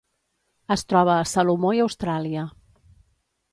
Es troba a Salomó i Austràlia.